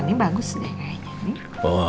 ini bagus deh kayaknya